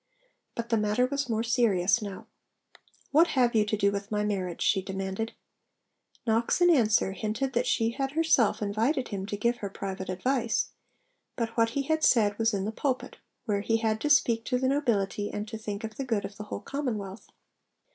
But the matter was more serious now. 'What have you to do with my marriage?' she demanded. Knox in answer hinted that she had herself invited him to give her private advice; but what he had said was in the pulpit, where he had to speak to the nobility and to think of the good of the whole commonwealth.